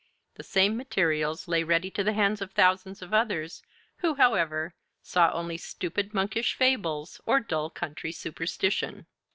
The same materials lay ready to the hands of thousands of others, who, however, saw only stupid monkish fables or dull country superstition.